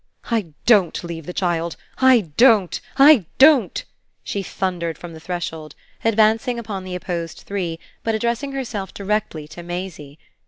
"I DON'T leave the child I don't, I don't!" she thundered from the threshold, advancing upon the opposed three but addressing herself directly to Maisie.